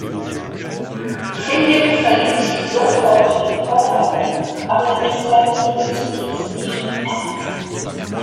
Philip verliebt sich sofort in Paula, aber sie nimmt seine Liebe zunächst nicht ernst.